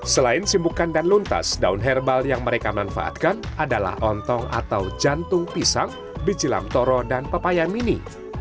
selain simukan dan luntas daun herbal yang mereka manfaatkan adalah ontong atau jantung pisang biji lang toro dan papaya mini